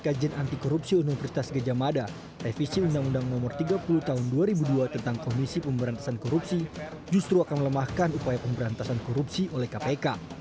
kajian anti korupsi universitas gejamada revisi undang undang nomor tiga puluh tahun dua ribu dua tentang komisi pemberantasan korupsi justru akan melemahkan upaya pemberantasan korupsi oleh kpk